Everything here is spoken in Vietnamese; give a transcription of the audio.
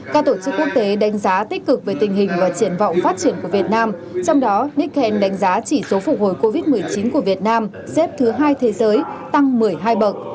các tổ chức quốc tế đánh giá tích cực về tình hình và triển vọng phát triển của việt nam trong đó nikken đánh giá chỉ số phục hồi covid một mươi chín của việt nam xếp thứ hai thế giới tăng một mươi hai bậc